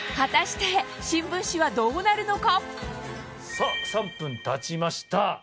さぁ３分たちました。